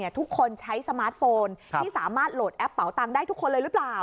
ทุกคนใช้สมาร์ทโฟนที่สามารถโหลดแอปเป่าตังค์ได้ทุกคนเลยหรือเปล่า